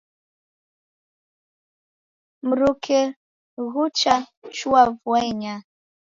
Mruke ghukachua vua inyaa.